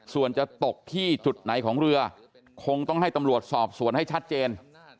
ส่วนจะตกที่จุดไหนของเรือคงต้องให้ตำรวจสอบสวนให้ชัดเจน